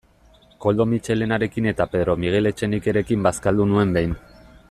Koldo Mitxelenarekin eta Pedro Miguel Etxenikerekin bazkaldu nuen behin.